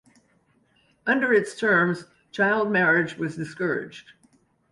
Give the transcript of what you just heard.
Under its terms child marriage was discouraged.